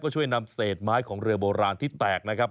ช่วยนำเศษไม้ของเรือโบราณที่แตกนะครับ